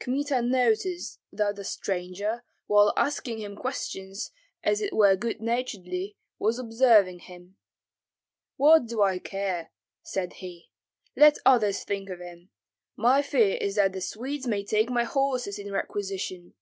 Kmita noticed that the stranger, while asking him questions as it were good naturedly, was observing him. "What do I care!" said he; "let others think of him. My fear is that the Swedes may take my horses in requisition."